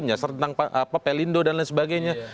menyasar tentang pelindo dan lain sebagainya